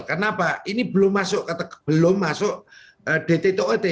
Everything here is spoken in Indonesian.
kenapa ini belum masuk dttoet